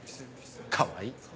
かわいい。